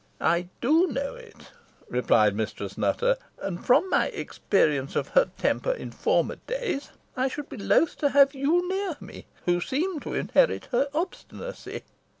"I do know it," replied Mistress Nutter; "and, from my experience of her temper in former days, I should be loath to have you near me, who seem to inherit her obstinacy."